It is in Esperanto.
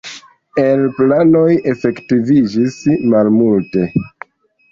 El planoj efektiviĝis malmulte.